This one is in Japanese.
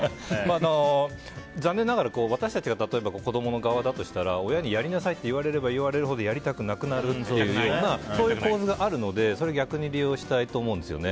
残念ながら、私たちが子供の側だとしたら親にやりなさいって言われれば言われるほどやりたくなくなるっていうようなそういう構図があるのでそれを逆に利用したいと思うんですよね。